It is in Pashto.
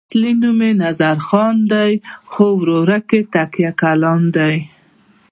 اصلي نوم یې نظرخان دی خو ورورک یې تکیه کلام دی.